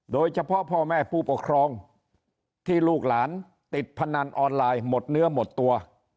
พ่อแม่ผู้ปกครองที่ลูกหลานติดพนันออนไลน์หมดเนื้อหมดตัว